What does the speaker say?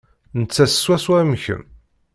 Nettat swaswa am kemm.